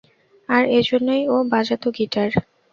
আর এজন্যেই ও বাজাত গিটার।